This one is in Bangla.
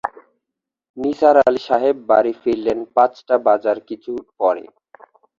নিসার আলি সাহেব বাড়ি ফিরলেন পাঁচটা বাজার কিছু পরে।